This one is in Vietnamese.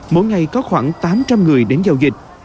mỗi ngày có khoảng tám trăm linh người đến giao dịch